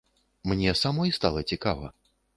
Мне самой стала цікава.